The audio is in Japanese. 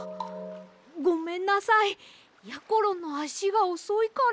ごめんなさいやころのあしがおそいから。